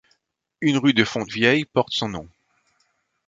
Une rue de Fontvieille porte son nom.